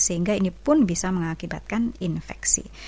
sehingga ini pun bisa mengakibatkan infeksi